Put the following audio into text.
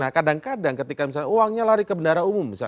nah kadang kadang ketika misalnya uangnya lari ke bendara umum